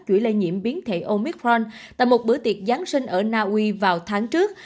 chuỗi lây nhiễm biến thể omicron tại một bữa tiệc giáng sinh ở na uy vào tháng trước